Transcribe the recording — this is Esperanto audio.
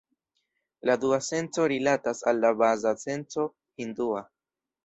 La dua senco rilatas al la baza senco hindua.